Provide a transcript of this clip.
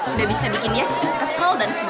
udah bisa bikin dia kesel dan sedih